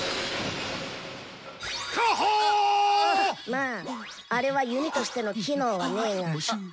まぁあれは弓としての機能はねぇが。